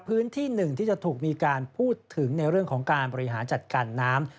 พื้นที่หนึ่งที่จะถูกมีการพูดถึงในเรื่องของการบริหารจัดการน้ำ